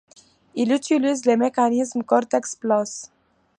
Il utilise le mécanisme Cortex Plus.